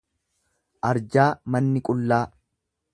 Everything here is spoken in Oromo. Arjaa manni qullaa.